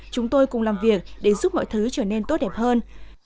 chúng tôi cùng làm việc để giúp mọi thứ trở nên tốt đẹp hơn